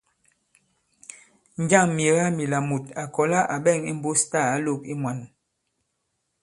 Njâŋ myèga mila mùt à kɔ̀la à ɓɛŋ imbūs tâ ǎ lōk i mwān ?